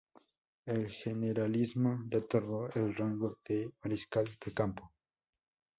El generalísimo le otorgó el rango de mariscal de campo.